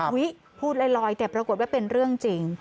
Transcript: พูดลอยแต่ปรากฏว่าเป็นเรื่องจริง